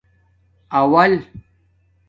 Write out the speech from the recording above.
اول